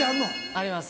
あります。